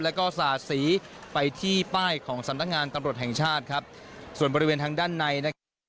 แล้วก็สาดสีไปที่ป้ายของสำนักงานตำรวจแห่งชาติครับส่วนบริเวณทางด้านในนะครับ